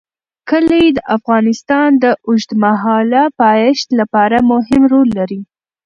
کلي د افغانستان د اوږدمهاله پایښت لپاره مهم رول لري.